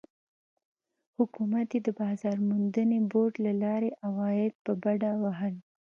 حکومت یې د بازار موندنې بورډ له لارې عواید په بډه وهل.